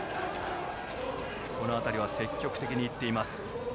この辺りは積極的にいっています。